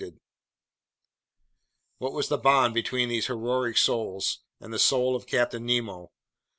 Ed. What was the bond between these heroic souls and the soul of Captain Nemo?